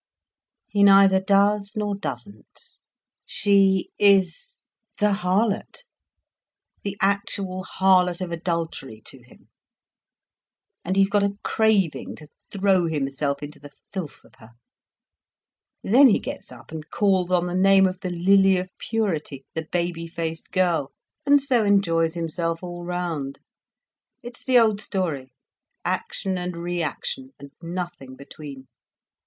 "He neither does nor doesn't. She is the harlot, the actual harlot of adultery to him. And he's got a craving to throw himself into the filth of her. Then he gets up and calls on the name of the lily of purity, the baby faced girl, and so enjoys himself all round. It's the old story—action and reaction, and nothing between."